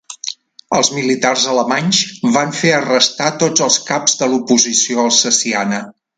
Els militars alemanys van fer arrestar tots els caps de l'oposició alsaciana.